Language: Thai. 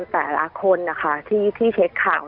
แต่ละคนนะคะที่เช็คข่าว